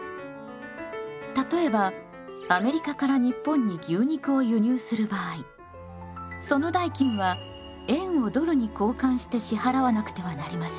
例えばアメリカから日本に牛肉を輸入する場合その代金は円をドルに交換して支払わなくてはなりません。